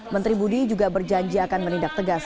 menteri budi juga berjanji akan menindak tegas